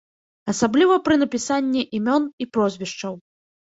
Асабліва пры напісанні імён і прозвішчаў.